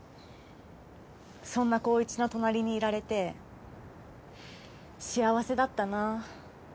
そんな紘一の隣にいられて幸せだったな。